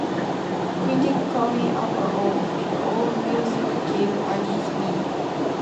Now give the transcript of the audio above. Critic Corey Apar of AllMusic gave Against Me!